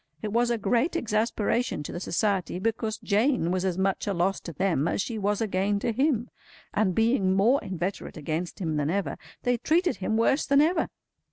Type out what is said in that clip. It was a great exasperation to the Society, because Jane was as much a loss to them as she was a gain to him; and being more inveterate against him than ever, they treated him worse than ever.